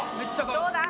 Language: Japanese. どうだ？